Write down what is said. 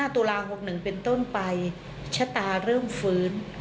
ตุลา๖๑เป็นต้นไปชะตาเริ่มฟื้น